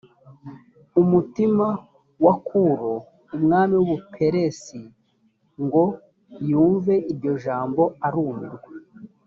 umutima wa kuro umwami w’u buperesi ngo yumve iryo jambo arumirwa